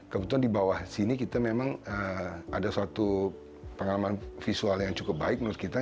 kebetulan di bawah sini kita memang ada suatu pengalaman visual yang cukup baik menurut kita